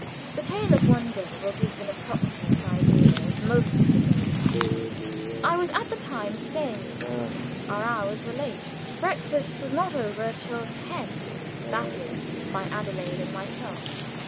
The tale of one day will give an approximate idea of most of the days I spent with her. I was at the time staying with her. Our hours were late. Breakfast was not over till ten, that is by Adelaide and myself.